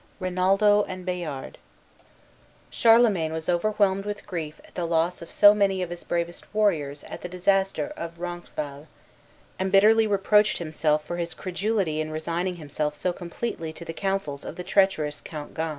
RINALDO AND BAYARD CHARLEMAGNE was overwhelmed with grief at the loss of so many of his bravest warriors at the disaster of Roncesvalles, and bitterly reproached himself for his credulity in resigning himself so completely to the counsels of the treacherous Count Gan.